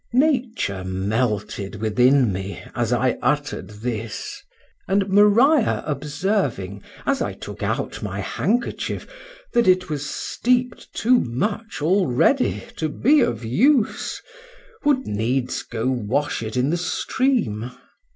Nature melted within me, as I utter'd this; and Maria observing, as I took out my handkerchief, that it was steep'd too much already to be of use, would needs go wash it in the stream.